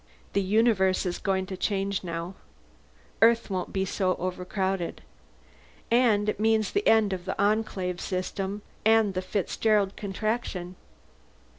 "The universe is going to change, now. Earth won't be so overcrowded. And it means the end of the Enclave system, and the Fitzgerald Contraction."